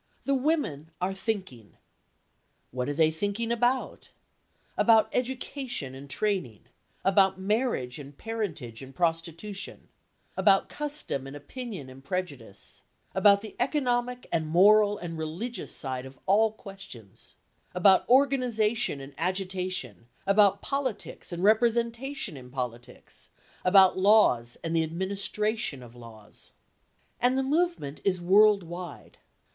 The women are thinking. What are they thinking about? About education and training; about marriage and parentage and prostitution; about custom and opinion and prejudice; about the economic and moral and religious side of all questions; about organisation and agitation, about politics and representation in politics; about laws and the administration of laws. And the movement is world wide.